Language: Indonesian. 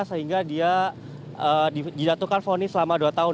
sehingga dia dijatuhkan fonis selama dua tahun